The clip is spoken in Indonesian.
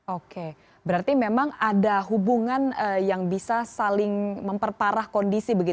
oke berarti memang ada hubungan yang bisa saling memperparah kondisi